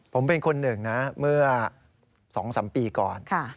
ผมเป็นคนหนึ่งนะเมื่อ๒๓ปีก่อน